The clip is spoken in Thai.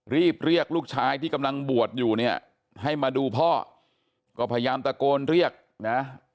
รีบเรียกลูกชายที่กำลังบวชอยู่เนี่ยให้มาดูพ่อก็พยายามตะโกนเรียกนะ